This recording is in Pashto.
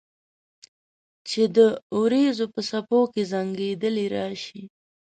چې د اوریځو په څپو کې زنګیدلې راشي